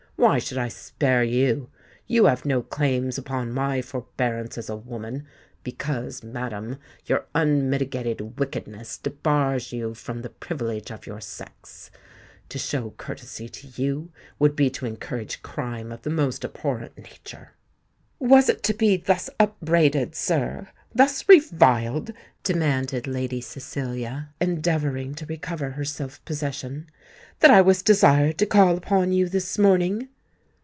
Why should I spare you? You have no claims upon my forbearance as a woman—because, madam, your unmitigated wickedness debars you from the privilege of your sex. To show courtesy to you, would be to encourage crime of the most abhorrent nature." "Was it to be thus upbraided, sir—thus reviled," demanded Lady Cecilia, endeavouring to recover her self possession, "that I was desired to call upon you this morning?"